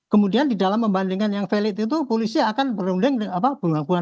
kemudian di dalam membandingkan yang valid itu polisi akan berunding dengan apa